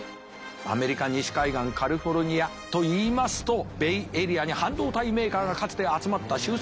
アメリカ西海岸カリフォルニアといいますとベイエリアに半導体メーカーがかつて集まった集積した。